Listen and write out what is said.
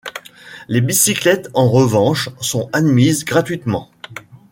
Les bicyclettes, en revanche, sont admises gratuitement.